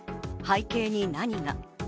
背景に何が？